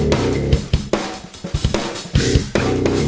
ดีดี